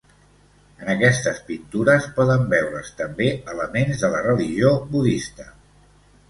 En aquestes pintures poden veure's també elements de la religió budista.